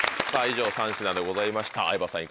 以上３品でございました相葉さん